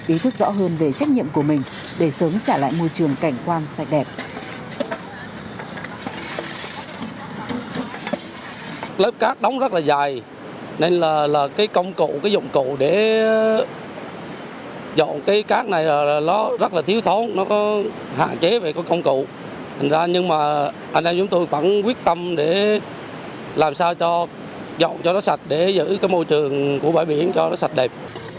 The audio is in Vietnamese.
ý thức rõ hơn về trách nhiệm của mình để sớm trả lại môi trường cảnh quan sạch đẹp